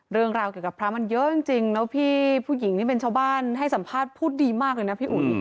เรื่องราวเกี่ยวกับพระมันเยอะจริงแล้วพี่ผู้หญิงนี่เป็นชาวบ้านให้สัมภาษณ์พูดดีมากเลยนะพี่อุ๋ย